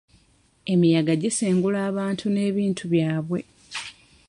Emiyaga gisengula abantu n'ebintu byabwe.